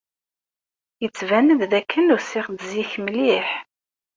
Yettban-d dakken usiɣ-d zik mliḥ.